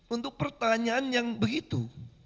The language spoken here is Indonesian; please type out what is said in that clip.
untuk pertanyaan yang begitu